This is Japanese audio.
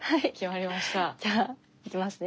じゃあいきますね。